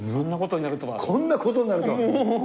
こんなことになるとは？